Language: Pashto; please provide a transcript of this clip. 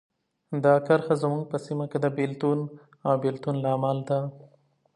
دا کرښه زموږ په سیمو کې د بېلتون او بیلتون لامل ده.